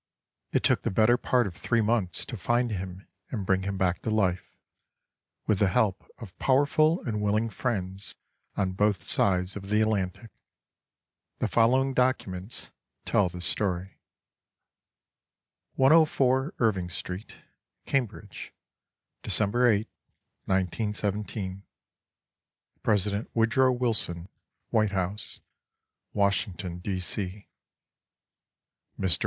It took the better part of three months to find him and bring him back to life—with the help of powerful and willing friends on both sides of the Atlantic. The following documents tell the story: 104 Irving Street, Cambridge, December 8, 1917. President Woodrow Wilson, White House, Washington, D. C. Mr.